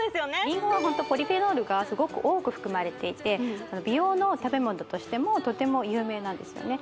リンゴはホントポリフェノールがすごく多く含まれていて美容の食べ物としてもとても有名なんですよね